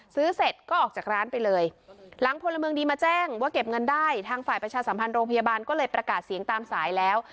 เสร็จก็ออกจากร้านไปเลยหลังพลเมืองดีมาแจ้งว่าเก็บเงินได้ทางฝ่ายประชาสัมพันธ์โรงพยาบาลก็เลยประกาศเสียงตามสายแล้ว